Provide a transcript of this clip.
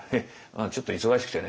「ちょっと忙しくてね。